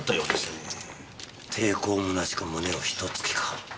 抵抗むなしく胸をひと突きか。